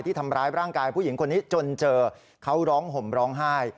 ทำร้ายร่างกายผู้หญิงคนนี้จนเจอเขาร้องห่มร้องไห้